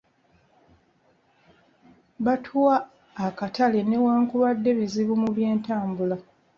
Batuwa akatale newankubadde bizibu mu by'entambula.